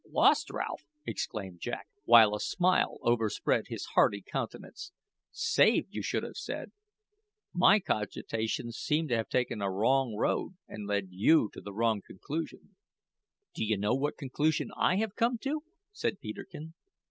"Lost, Ralph!" exclaimed Jack, while a smile overspread his hearty countenance. "Saved, you should have said. Your cogitations seem to have taken a wrong road, and led you to a wrong conclusion." "Do you know what conclusion I have come to?" said Peterkin.